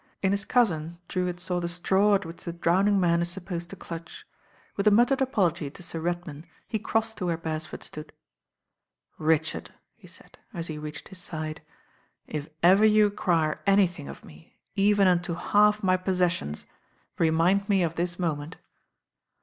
In his cousin Drewitt saw the straw at which the drowning man is supposed to clutch. With a mut tered apology to Sir Redman, he crossed to where Beresford stood. "Richard," he said, as he reached his side, "if ever you require anything of me, even unto half my possessions, remind me of this moment."